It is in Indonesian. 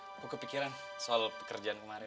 aku kepikiran soal pekerjaan kemarin